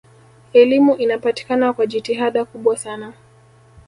elimu inapatikana kwa jitihada kubwa sana